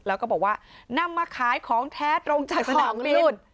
แล้วก็บอกว่านำมาขายของแท้ตรงจากสนามบิน